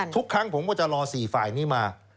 ทุกครั้งผมก็จะรอ๔ฝ่ายนี้มา